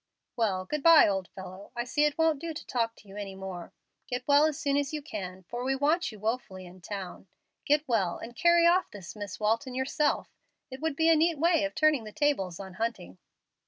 "Well, good by, old fellow. I see it won't do to talk with you any more. Get well as soon as you can, for we want you woefully in town. Get well, and carry off this Miss Walton yourself. It would be a neat way of turning the tables on Hunting."